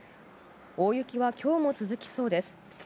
大雪は今日も続きそうです。